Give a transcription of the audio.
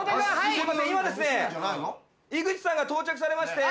すいません今ですね井口さんが到着されまして。